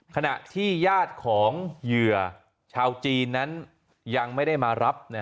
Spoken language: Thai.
ขณะที่ญาติของเหยื่อชาวจีนนั้นยังไม่ได้มารับ